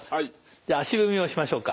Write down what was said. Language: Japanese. じゃあ足踏みをしましょうか。